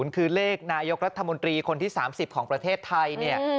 คือเลขนายกรัฐมนตรีคนที่๓๐ของประเทศไทยเนี่ย